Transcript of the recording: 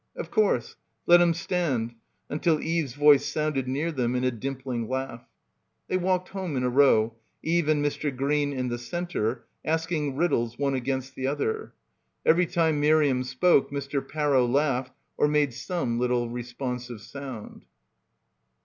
. of course; let him stand — until Eve's voice sounded near them in a dimpling laugh. They walked — 230 — BACKWATER home in a row, Eve and Mr. Green in the centre, asking riddles one against the other. Every time Miriam spoke Mr. Parrow laughed or made some little responsive sound.